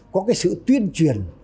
có sự tuyên truyền